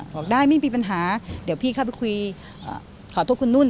บอกได้ไม่มีปัญหาเดี๋ยวพี่เข้าไปคุยขอโทษคุณนุ่น